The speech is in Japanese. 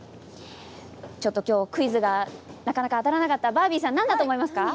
クイズがなかなか当たらなかったバービーさん何だと思いますか。